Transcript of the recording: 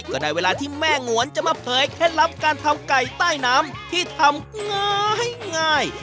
ก็ได้เวลาที่แม่งวนจะมาเผยเคล็ดลับการทำไก่ใต้น้ำที่ทำง้อให้ง่าย